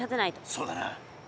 そうだな。